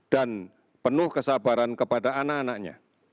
dan penuh kesabaran kepada anak anaknya